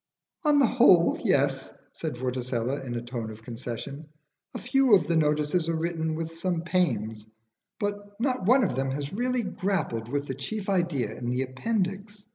"On the whole yes," said Vorticella, in a tone of concession. "A few of the notices are written with some pains, but not one of them has really grappled with the chief idea in the appendix.